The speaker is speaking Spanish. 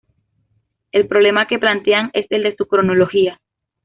El problema que plantean es el de su cronología.